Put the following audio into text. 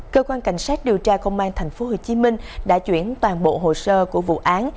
cơ quan cảnh sát điều tra công an tp hcm đã chuyển toàn bộ hồ sơ của vụ án